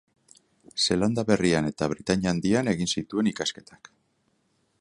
Zeelanda Berrian eta Britainia Handian egin zituen ikasketak.